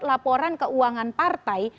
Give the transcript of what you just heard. laporan keuangan partai